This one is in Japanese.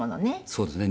そうですね。